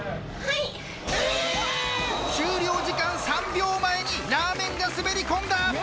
終了時間３秒前にラーメンが滑り込んだ。